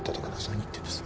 何言ってんです